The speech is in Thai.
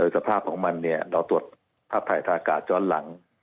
สภาพของมันเราตรวจภาพถ่ายธากาศจ้อนหลัง